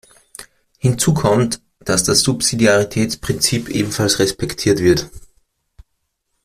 Hinzu kommt, dass das Subsidiaritätsprinzip ebenfalls respektiert wird.